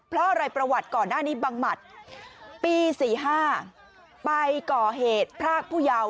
เพราะอะไรประวัติก่อนหน้านี้บังหมัดปี๔๕ไปก่อเหตุพรากผู้เยาว์